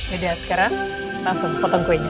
udah sekarang langsung potong kuenya